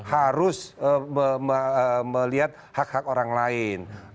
harus melihat hak hak orang lain